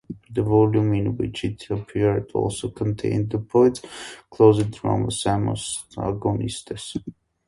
The volume in which it appeared also contained the poet's closet drama "Samson Agonistes".